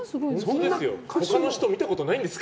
他の人見たことないんですか？